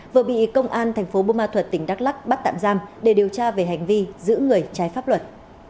vừa bị công an tp bumatut tỉnh đắk lắc bắt tạm giam để điều tra về hành vi giữ người trái pháp luật